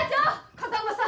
風真さん！